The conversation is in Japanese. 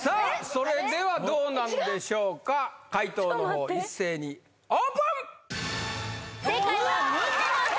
それではどうなんでしょうかちょっと待って解答の方一斉にオープン正解は「みんなのうた」